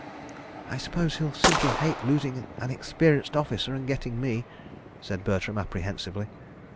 "I suppose he'll simply hate losing an experienced officer and getting me," said Bertram, apprehensively.